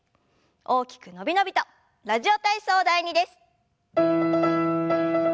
大きく伸び伸びと「ラジオ体操第２」です。